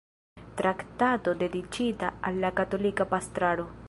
Traktato dediĉita al la katolika pastraro".